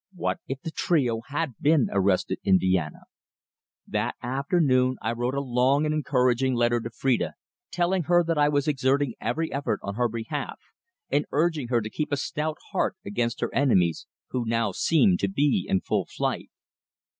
What if the trio had been arrested in Vienna? That afternoon I wrote a long and encouraging letter to Phrida, telling her that I was exerting every effort on her behalf and urging her to keep a stout heart against her enemies, who now seemed to be in full flight.